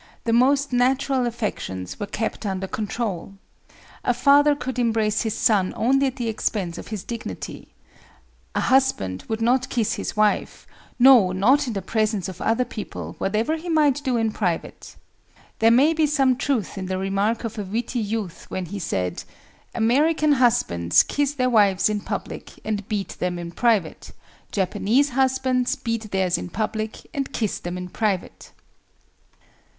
The most natural affections were kept under control. A father could embrace his son only at the expense of his dignity; a husband would not kiss his wife,—no, not in the presence of other people, whatever he might do in private! There may be some truth in the remark of a witty youth when he said, "American husbands kiss their wives in public and beat them in private; Japanese husbands beat theirs in public and kiss them in private."